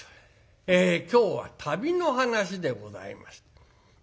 今日は旅の噺でございまして。